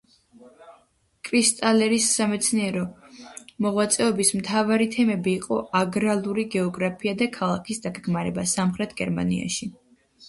კრისტალერის სამეცნიერო მოღვაწეობის მთავარი თემები იყო აგრარული გეოგრაფია და ქალაქის დაგეგმარება სამხრეთ გერმანიაში.